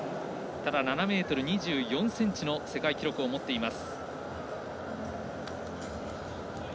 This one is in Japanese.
ただ、７ｍ２４ｃｍの世界記録を持っています。